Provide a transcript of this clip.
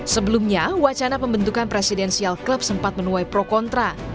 sebelumnya wacana pembentukan presidensial club sempat menuai pro kontra